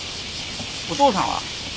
お父さんは？